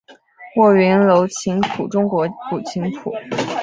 卧云楼琴谱中国古琴谱。